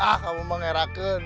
ah kamu memang ngerak